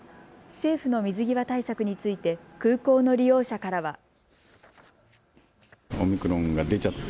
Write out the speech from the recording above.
政府の水際対策について空港の利用者からは。